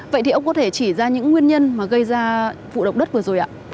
vậy thì ông có thể chỉ ra những nguyên nhân mà gây ra vụ động đất vừa rồi ạ